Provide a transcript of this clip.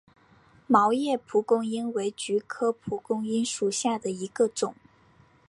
毛叶蒲公英为菊科蒲公英属下的一个种。